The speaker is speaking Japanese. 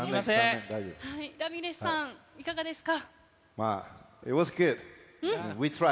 ラミレスさん、いかがですか。